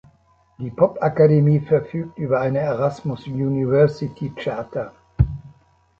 Die Popakademie verfügt über eine Erasmus University Charta.